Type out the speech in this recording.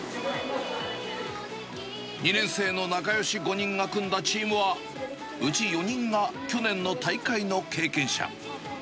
２年生の仲よし５人が組んだチームは、うち４人が去年の大会の経験者。